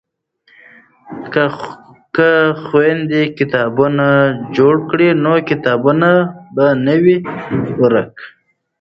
که خویندې کتابتون جوړ کړي نو کتاب به نه وي ورک.